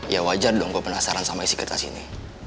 ya wajar dong gue penasaran sama isi kertas ini